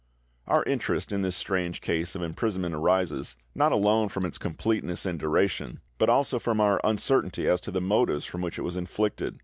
Our interest in this strange case of imprisonment arises, not alone from its completeness and duration, but also from our uncertainty as to the motives from which it was inflicted.